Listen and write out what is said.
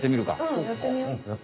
うんやってみよう。